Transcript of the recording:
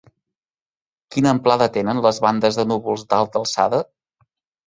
Quina amplada tenen les bandes de núvols d'alta alçada?